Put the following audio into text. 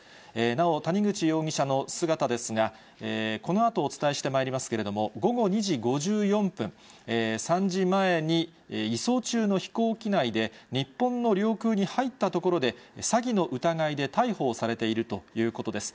なお、谷口容疑者の姿ですが、このあとお伝えしてまいりますけれども、午後２時５４分、３時前に移送中の飛行機内で、日本の領空に入ったところで、詐欺の疑いで逮捕をされているということです。